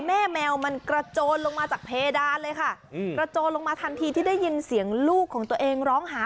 แมวมันกระโจนลงมาจากเพดานเลยค่ะกระโจนลงมาทันทีที่ได้ยินเสียงลูกของตัวเองร้องหา